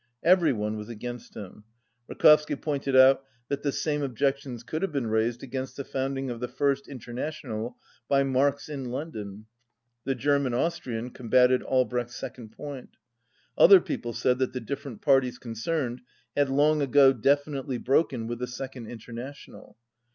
Every one was against him. Rakovsky pointed out that the same objections could have been raised against the founding of the First International by Marx in London. The German Austrian combated Albrecht's second point. Other people said that the different parties concerned had long ago definitely broken with the Second International.